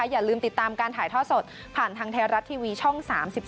อย่าลืมติดตามการถ่ายทอดสดผ่านทางไทยรัฐทีวีช่อง๓๒